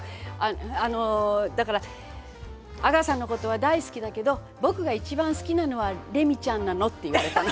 あのだから「阿川さんのことは大好きだけど僕が一番好きなのはレミちゃんなの」って言われたの。